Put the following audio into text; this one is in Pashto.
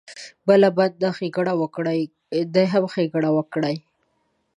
بل بنده ښېګڼه وکړي دی هم ښېګڼه وکړي.